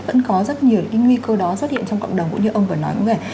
vẫn có rất nhiều cái nguy cơ đó xuất hiện trong cộng đồng cũng như ông vừa nói đúng vậy